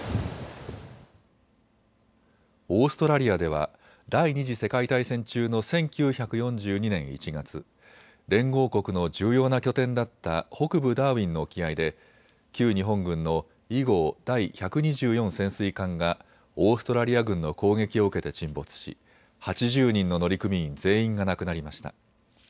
オーストラリアでは第２次世界大戦中の１９４２年１月、連合国の重要な拠点だった北部ダーウィンの沖合で旧日本軍の伊号第１２４潜水艦がオーストラリア軍の攻撃を受けて沈没し８０人の乗組員、全員が亡くなりました。